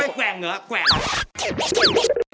เอาไปแกล้งเหลือแกล้งละ